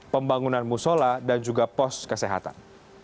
pembangunan musola dan juga pos kesehatan